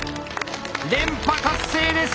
連覇達成です！